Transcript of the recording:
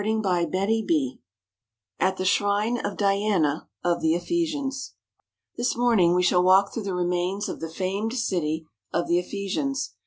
261 CHAPTER XXXI AT THE SHRINE OF DIANA OF THE EPHESIANS THIS morning we shall walk through the remains of the famed city of the Ephesians.